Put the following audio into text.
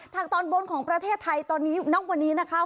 ตอนบนของประเทศไทยตอนนี้ณวันนี้นะคะ